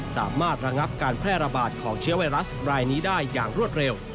สามารถระงับการแพร่ระบาดของเชื้อไวรัสรายนี้ได้อย่างรวดเร็ว